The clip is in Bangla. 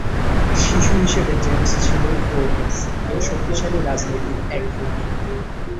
শিশু হিসেবে জেমস ছিল প্রোঁভেস-এর শক্তিশালী রাজনীতির এক গুটি।